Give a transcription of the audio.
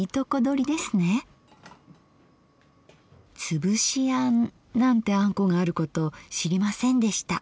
「つぶしあん」なんてあんこがあること知りませんでした。